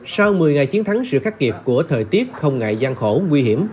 sau một mươi ngày chiến thắng sự khắc kịp của thời tiết không ngại gian khổ nguy hiểm